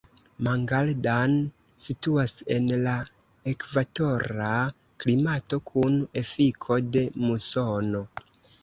Mangaldan situas en la ekvatora klimato kun efiko de musono.